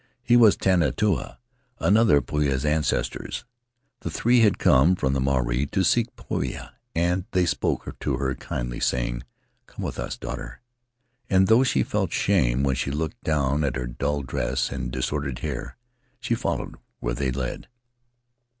He was Tanetua, another of Poia's ancestors. The three had come from the marae to seek Poia, and they spoke to her kindly, saying, 'Come with us, daughter.' And though she felt shame when sh looked down at her dull dress and disordered hair, sh followed where they led.